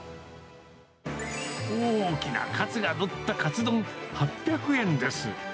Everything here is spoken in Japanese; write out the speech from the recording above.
大きなカツが載ったカツ丼８００円です。